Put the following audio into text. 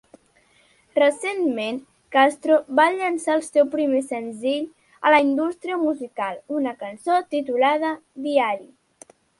Recentment, Castro va llançar el seu primer senzill a la indústria musical, una cançó titulada "Diary.